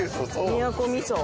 宮古みそ